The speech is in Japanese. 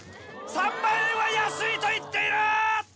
３万円は安いと言っているー！